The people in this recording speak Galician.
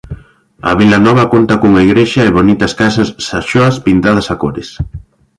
A vila nova conta cunha igrexa e bonitas casas saxoas pintadas a cores.